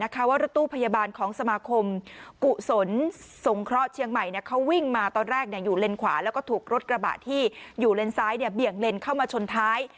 กุศลทรงเคราะห์เชียงใหม่เขาวิ่งมาตอนแรกอยู่เลนขวาแล้วก็ถูกรถกระบะที่อยู่เลนซ้ายเนี่ยเบี่ยงเลนเข้ามาชนท้าย